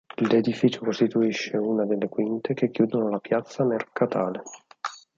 L'edificio costituisce una delle quinte che chiudono la piazza Mercatale.